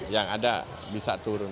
yang ada bisa turun